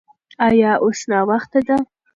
ایا اوس ناوخته ده؟